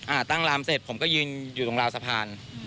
ตั้งรามเสร็จผมก็ยืนอยู่ตรงราวสะพาน